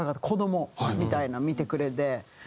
子どもみたいな見てくれで。